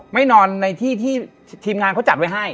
ไม่นอนในที่ทีมงานเขาจัดไว้ให้